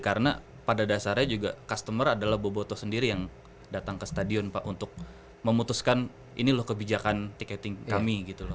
karena pada dasarnya juga customer adalah boboto sendiri yang datang ke stadion pak untuk memutuskan ini loh kebijakan tiketing kami gitu loh